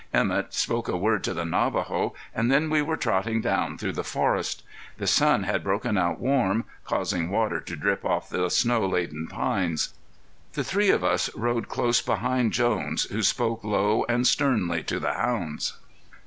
Emett spoke a word to the Navajo, and then we were trotting down through the forest. The sun had broken out warm, causing water to drip off the snow laden pines. The three of us rode close behind Jones, who spoke low and sternly to the hounds.